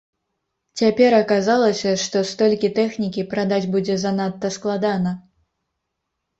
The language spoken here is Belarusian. Цяпер аказалася, што столькі тэхнікі прадаць будзе занадта складана.